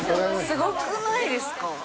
すごくないですか。